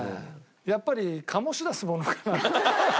やっぱり醸し出すものかな。